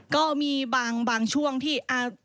ก็มีบางช่วงที่